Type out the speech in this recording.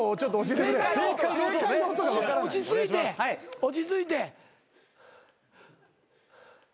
落ち着いて落ち着いて。